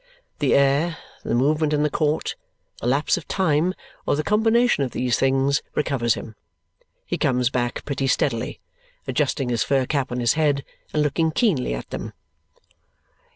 The air, the movement in the court, the lapse of time, or the combination of these things recovers him. He comes back pretty steadily, adjusting his fur cap on his head and looking keenly at them.